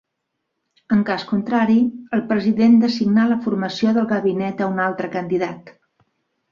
En cas contrari, el president d'assignar la formació del Gabinet a un altre candidat.